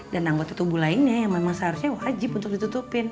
anggota tubuh lainnya yang memang seharusnya wajib untuk ditutupin